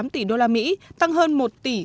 tám tỷ usd tăng hơn một tỷ